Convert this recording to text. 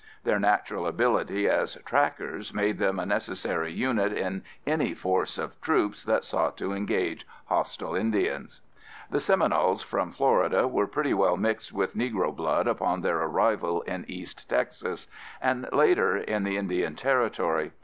Their natural ability as "trackers" made them a necessary unit in any force of troops that sought to engage hostile Indians. The Seminoles from Florida were pretty well mixed with Negro blood upon their arrival in East Texas, and later in the Indian Territory.